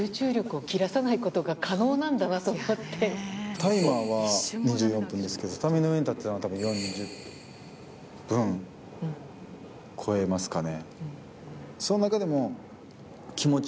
タイマーは２４分ですけど畳の上に立っていたのは多分、４０分を超えますかね。